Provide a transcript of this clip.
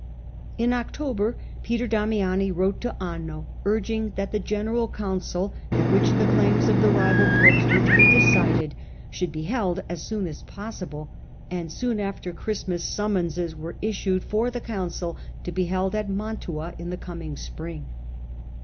In October, Peter Damiani wrote to Anno urging that the general council, at which the claims of the rival popes were to be decided, should be held as soon as possible; and soon after Christmas summonses were issued for the council to be held at Mantua in the coming spring.